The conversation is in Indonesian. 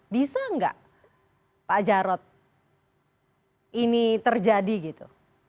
bisa nggak pak jarod ini terjadi gitu